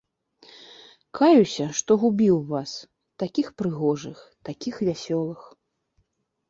Каюся, што губіў вас, такіх прыгожых, такіх вясёлых!